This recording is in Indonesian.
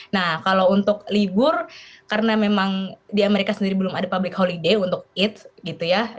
nah kalau untuk libur karena memang di amerika sendiri belum ada public holiday untuk eat gitu ya